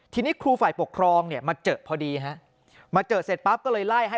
ทีนี้ครูฝ่ายปกครองมาเจอพอดีมาเจอเสร็จปั๊บก็เลยไล่